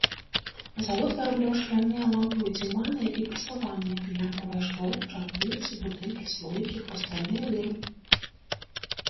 Завод вырабляў шкляныя лямпы выдзіманыя і прасаваныя, лямпавае шкло, чарніліцы, бутэлькі, слоікі, хрустальныя вырабы.